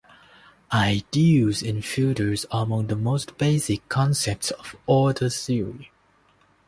Ideals and filters are among the most basic concepts of order theory.